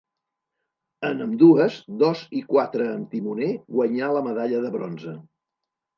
En ambdues, dos i quatre amb timoner, guanyà la medalla de bronze.